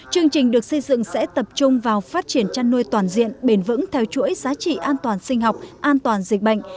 chương trình được xây dựng sẽ tập trung vào phát triển chăn nuôi toàn diện bền vững theo chuỗi giá trị an toàn sinh học an toàn dịch bệnh